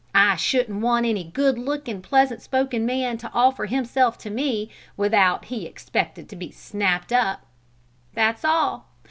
I shouldn't want any good lookin', pleasant spoken man to offer himself to me without he expected to be snapped up, that's all!